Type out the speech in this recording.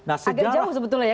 agak jauh sebetulnya